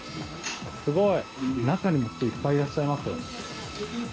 すごい！中にも人いっぱいいらっしゃいます。